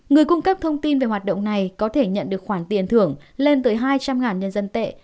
người cung cấp thông tin về hoạt động này có thể nhận được khoản tiền thưởng lên tới hai trăm linh nhân dân tệ